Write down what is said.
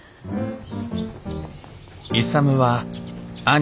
勇は兄稔